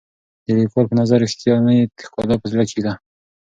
د لیکوال په نظر رښتیانۍ ښکلا په زړه کې وي.